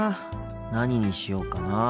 何にしようかなあ。